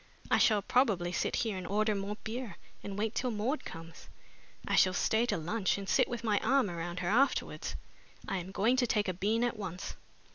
I shall probably sit here and order more beer and wait till Maud comes; I shall stay to lunch and sit with my arm around her afterwards! I am going to take a bean at once."